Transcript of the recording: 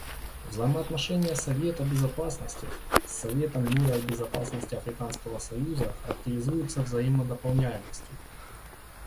Взаимоотношения Совета Безопасности с Советом мира и безопасности Африканского союза характеризуются взаимодополняемостью.